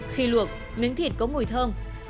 khi luộc miếng thịt có mùi thơm không sôi bọt sạch